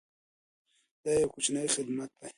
دا یو کوچنی خدمت دی.